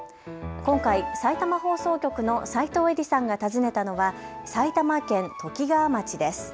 今回さいたま放送局の齋藤恵梨さんが訪ねたのは埼玉県ときがわ町です。